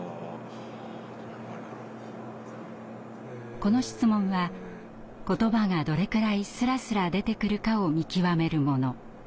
この質問は言葉がどれくらいスラスラ出てくるかを見極めるもの。